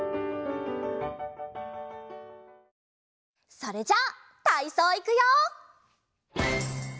それじゃたいそういくよ！